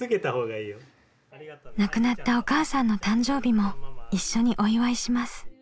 亡くなったお母さんの誕生日も一緒にお祝いします。